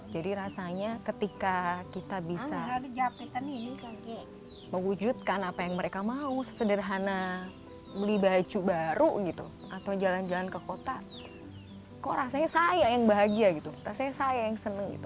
jadi rasanya ketika kita bisa mewujudkan apa yang mereka mau sesederhana beli baju baru gitu atau jalan jalan ke kota kok rasanya saya yang bahagia gitu rasanya saya yang seneng gitu